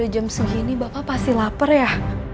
jam segini bapak pasti lapar ya